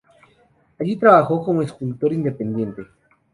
Allí trabajó como escultor independiente.